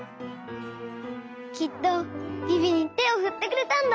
きっとビビにてをふってくれたんだ！